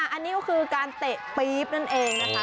อันนี้ก็คือการเตะปี๊บนั่นเองนะคะ